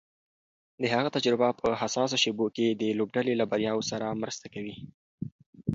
د هغه تجربه په حساسو شېبو کې د لوبډلې له بریا سره مرسته کوي.